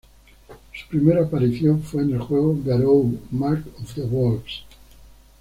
Su Primera aparición fue en el juego "Garou: Mark of the Wolves".